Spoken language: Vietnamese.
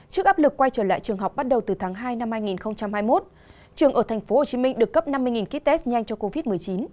trước áp lực quay trở lại trường học bắt đầu từ tháng hai năm hai nghìn hai mươi một trường ở tp hcm được cấp năm mươi kit test nhanh cho covid một mươi chín